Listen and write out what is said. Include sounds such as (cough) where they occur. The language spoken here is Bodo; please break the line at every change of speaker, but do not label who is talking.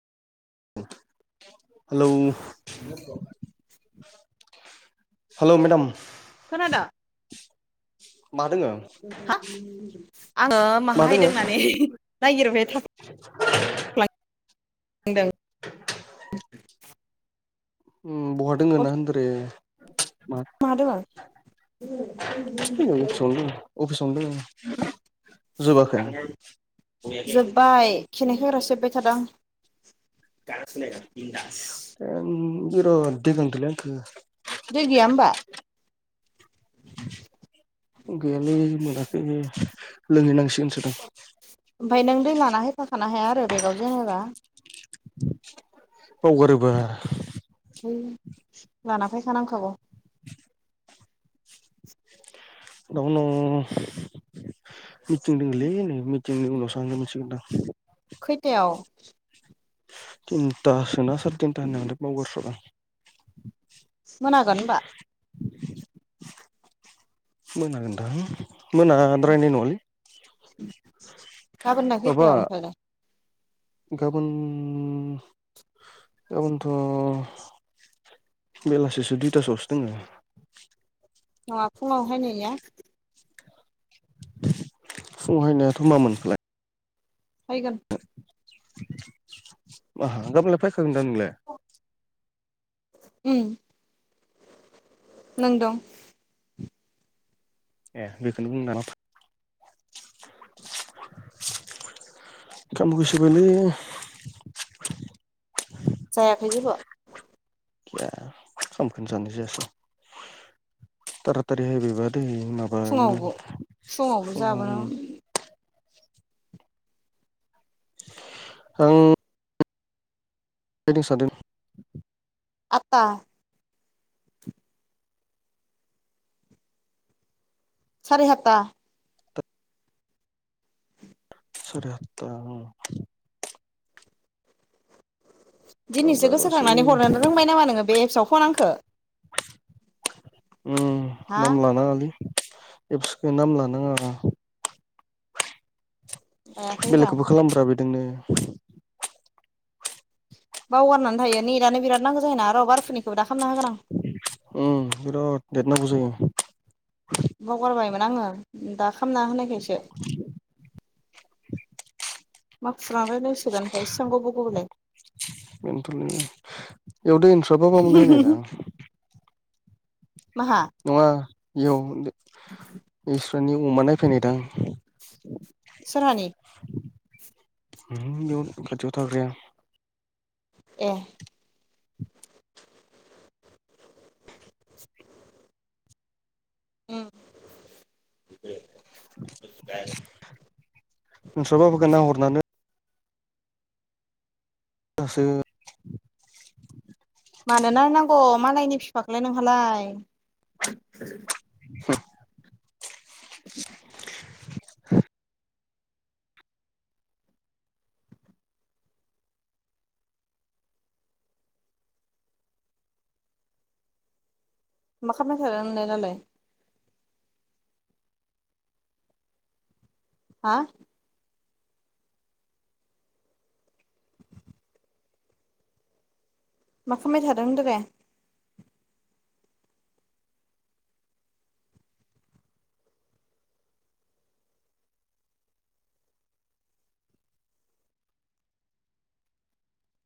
हेलौ
(unintelligible)
हेलौ मेडाम
खोनादों
मा दोङो
हा आङो
मा
माहा
दोङो
हायदोंनानै नायागिरबाय थाद दों
(unintelligible) बहा दोङ ना होनदोरे नै
मादों
अफिसयावनो दं अफिस संदों जोबाखै
जोबबाय खेनाय खाग्रासो हेबबाय थादों आं दानसो बिन दास
बिराद दै गांदोंलै आंखो
दै गैया होमबा
(inaudible) गैयालै मोनाखै लोंहैनांसिगोनसो दां
ओमफ्राय नों दै लाना हायफाखानो हाया आरो बेगाव जेनेबा
बावगारोबा
लाना फैखा नांखागौ
दा उनाव मिटिं दंलै नै मिटिंनि उनाव थांनो मोनसिगोनदां (unintelligible)
खैथायाव
तिनथासोना सार तिनथा होनाय बावगारस्राबाय आं
मोनागोन होनबा
मोनागोनदां मोनाद्रायनाय नङालै
गाबोन लाय
माबा
खैथायाव ओमफायलाय
गाबोन गाबोनथ'। बेलासिसो दुइथासोआवसो दङो।
ना फुङावहाय नै।
फहायनायाथ' मामोन खालाय।
फायगोन।
ओम गामोनलाय फैखागोनदां नोंलाय।
उम नों दं।
ए बेखौनो बुंदों। खोमखसिबायलै।
जायाखै जेबो।
खामखौनो जानाय जायासै थाराथारिहाय बेब। दै माबायावनो
फुङावबो फुङावबो
सम।
जाबोनो
आं। हैदोंं सादन।
आदा। साराय हाता
सारि हत। गाबोन
दिनैसो
जाबासो
गोसोखांनानै हरनो रोंबाय नामा नोङो बे एपसआव फन आंखौ।
उम
हा
नाम लानाङालै एबसनि नाम लानाङा।
जायाखैब्रा
बेलेगखौबो खालामब्रा बेदोंनो।
बावगारनानै थायो न नेटानो बिराद नांगौ जायोना आरो बारफोरनि।
उ बे ददना बुजाय।
बावगारबायमोन आङो दा खालामामना होनायखाय।
(unintelligible)
माखुरां रायलायसोगोनमफ्राय एसेबां गौबवगोबावलाय।
एवदो इन्थ्रा मा मोनोनहाय नंदां।
माहा
नङा इयाव। बिमानि अमा नायफैनायदां।
सोरहानि
ओम खाथियावथाग्राया।
ए उम
नोंस्राबा होगोन ना हरनानै। दासो।
मानोना नांगौ मालायनि बिफखौलाय नोंहालाय।
आ।
(inaudible)
(inaudible)
मा खालामबा थादों नोंलाय दालाय। हा। मा खामाय थादों होनदों रे।